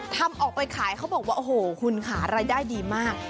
ทำออกไปขายเขาบอกว่าโอ้โหคุณค่ะรายได้ดีมาก